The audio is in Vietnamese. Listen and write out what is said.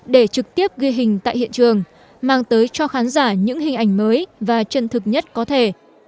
để trực tiếp ghi hình tại hiện trường mang tới cho khán giả những hình ảnh mới và chân thực nhất có thể